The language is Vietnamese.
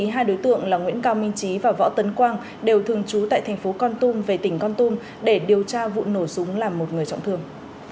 hai đối tượng là nguyễn cao minh trí và võ tấn quang đều thường trú tại thành phố con tum về tỉnh con tum để điều tra vụ nổ súng làm một người trọng thương